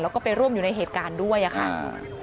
แล้วก็ไปร่วมอยู่ในเหตุการณ์ด้วยอะค่ะ